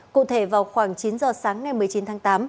cụ thể vào khoảng chín giờ sáng ngày một mươi chín tháng tám